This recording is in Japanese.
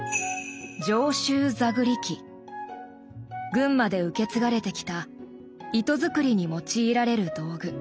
群馬で受け継がれてきた糸作りに用いられる道具。